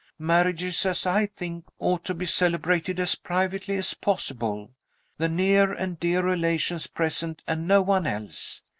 Marriages, as I think, ought to be celebrated as privately as possible the near and dear relations present, and no one else.